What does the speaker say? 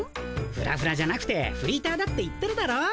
ふらふらじゃなくてフリーターだって言ってるだろ。